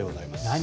何？